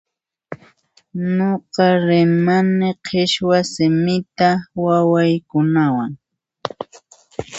Nuqa rimani qhichwa simita wawaykunawan